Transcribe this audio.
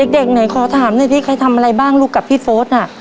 เด็กไหนขอถามหน่อยสิใครทำอะไรบ้างลูกกับพี่โฟสน่ะ